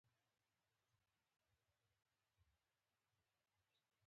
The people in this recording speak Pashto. ما اوس په کابل کې ځان خوندي کړی دی.